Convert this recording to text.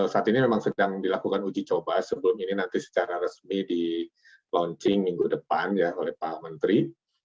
saat ini memang sedang dilakukan uji coba sebelum ini nanti secara resmi di launching minggu depan ya oleh pak menteri